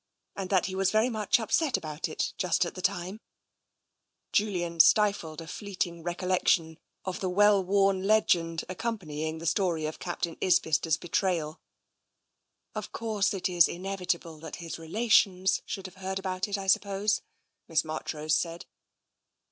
And that he was very much upset about it, just at the time/' Julian stifled a fleeting recollection of the well worn legend accompanying the story of Captain Isbister*s betrayal. "Of course, it is inevitable that his relations should have heard about it, I suppose," Miss Marchrose said.